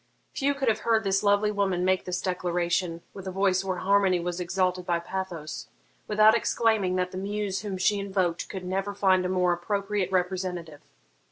Few could have heard this lovely woman make this declaration, with a voice where harmony was exalted by pathos, without exclaiming that the muse whom she invoked could never find a more appropriate representative.